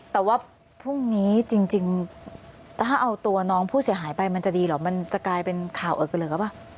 แต่ว่าพรุ่งนี้จริงถ้าเอาตัวน้องผู้เสียหายไปมันจะดีเหรอมันจะกลายเป็นข่าวเอิกไปเลยหรือเปล่า